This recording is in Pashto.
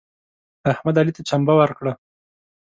احمد علي ته چمبه ورکړه.